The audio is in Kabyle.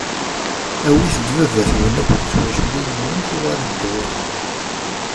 Awit-d baba-twen akked twaculin-nwen, tuɣalem-d ɣur-i.